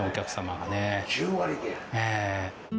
ええ。